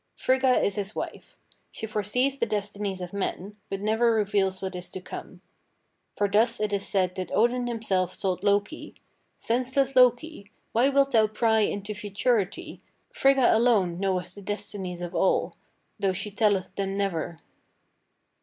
Frigga is his wife. She foresees the destinies of men, but never reveals what is to come. For thus it is said that Odin himself told Loki, 'Senseless Loki, why wilt thou pry into futurity, Frigga alone knoweth the destinies of all, though she telleth them never?'